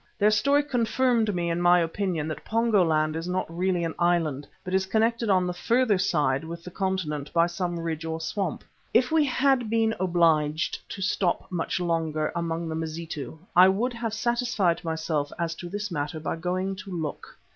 Their story confirmed me in my opinion that Pongo land is not really an island, but is connected on the further side with the continent by some ridge or swamp. If we had been obliged to stop much longer among the Mazitu, I would have satisfied myself as to this matter by going to look.